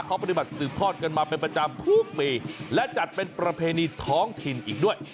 เขาปฏิบัติสืบทอดกันมาเป็นประจำทุกปีและจัดเป็นประเพณีท้องถิ่นอีกด้วย